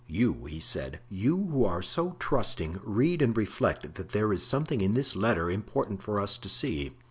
"You," he said, "you, who are so trusting, read and reflect that there is something in this letter important for us to see."